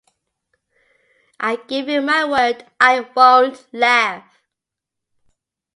I give you my word I won't laugh.